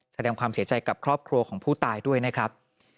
แสดงความเสียใจกับครอบครัวของผู้ตายด้วยนะครับ